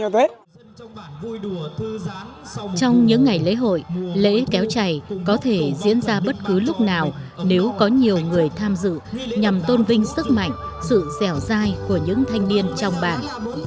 trong những ngày lễ hội lễ kéo chày có thể diễn ra bất cứ lúc nào nếu có nhiều người tham dự nhằm tôn vinh sức mạnh sự dẻo dai của những thanh niên trong bản